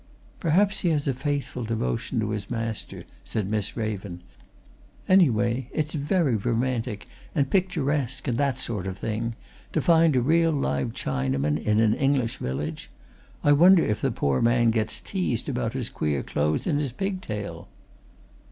"Perhaps he has a faithful devotion to his master," said Miss Raven. "Anyway, it's very romantic, and picturesque, and that sort of thing, to find a real live Chinaman in an English village I wonder if the poor man gets teased about his queer clothes and his pigtail?"